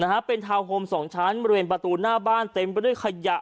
นะฮะเป็นทาวน์โฮมสองชั้นบริเวณประตูหน้าบ้านเต็มไปด้วยขยะ